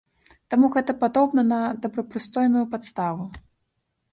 Таму гэта падобна на добрапрыстойную падставу.